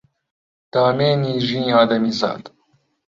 دامێنی ژینی ئادەمیزاد